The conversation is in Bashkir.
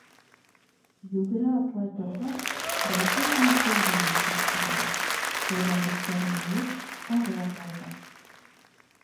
Йүгерә-атлай торғас, бәләкәй генә күл буйына килеп сығалар, һыуҙа биттәрен йыуып, ары атлайҙар.